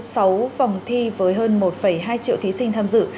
sau vòng thi với hơn một hai triệu thí sinh tham dự